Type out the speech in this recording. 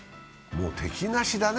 もう敵なしだね。